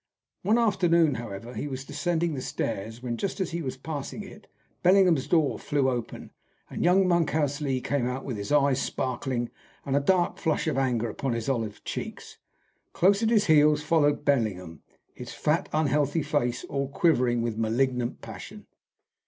One afternoon, however, he was descending the stairs when, just as he was passing it, Bellingham's door flew open, and young Monkhouse Lee came out with his eyes sparkling and a dark flush of anger upon his olive cheeks. Close at his heels followed Bellingham, his fat, unhealthy face all quivering with malignant passion.